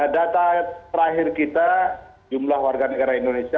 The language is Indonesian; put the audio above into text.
data terakhir kita jumlah warga negara indonesia